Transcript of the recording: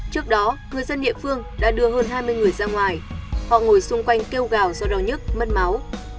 trước đó người dân địa phương đã đưa hơn hai mươi người ra ngoài họ ngồi xung quanh kêu gào do đau nhức mất máu